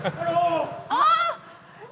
あっ！